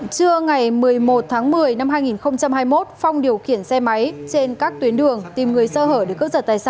trưa ngày một mươi một tháng một mươi năm hai nghìn hai mươi một phong điều kiển xe máy trên các tuyến đường tìm người sơ hởi